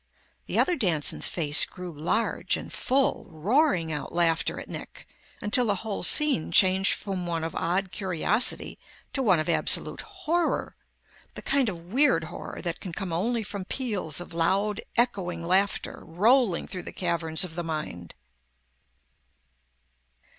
The other Danson's face grew large and full, roaring out laughter at Nick until the whole scene changed from one of odd curiosity to one of absolute horror, the kind of weird horror that can come only from peals of loud, echoing laughter rolling through the caverns of the mind.